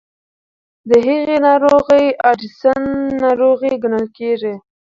د هغې ناروغۍ اډیسن ناروغي ګڼل کېږي.